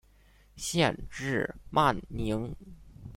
县治曼宁。